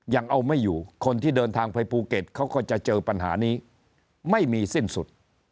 ยังเอาไม่อยู่คนที่เดินทางไปภูเก็ตเขาก็จะเจอปัญหานี้ไม่มีสิ้นสุด